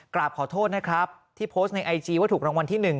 กราบขอโทษนะครับที่โพสต์ในไอจีว่าถูกรางวัลที่๑